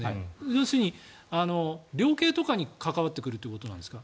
要するに量刑とかに関わってくるということですか？